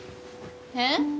えっ？